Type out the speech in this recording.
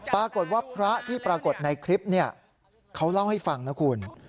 ปรากฏว่าพระที่ปรากฏในคลิปเขาเล่าให้ฟังนะคุณ